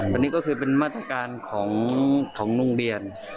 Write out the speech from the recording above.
อันนี้ก็คือเป็นมาตรการของโรงเรียน